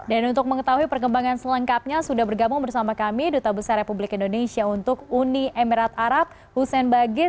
dan untuk mengetahui perkembangan selengkapnya sudah bergabung bersama kami duta besar republik indonesia untuk uni emirat arab hussein bagis